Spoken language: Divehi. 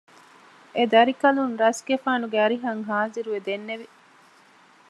އެދަރިކަލުން ރަސްގެފާނުގެ އަރިހަށް ޚާޒިރުވެ ދެންނެވި